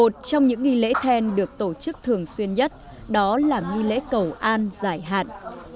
trong đó lẩu than được tổ chức thường xuyên nhất đó là nghi lễ cầu an giải hạn